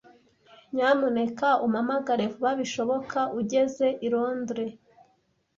Nyamuneka umpamagare vuba bishoboka ugeze i Londres.